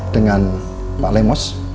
dengan pak lemos